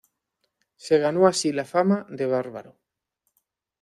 Se ganó así la fama de bárbaro.